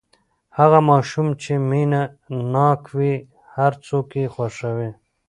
هغه ماشوم چې مینه ناک وي، هر څوک یې خوښوي.